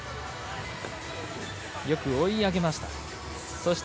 よく追い上げました。